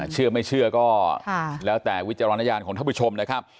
เชื่อไม่เชื่อก็แล้วแต่วิจารณญาณของท่านผู้ชมนะครับ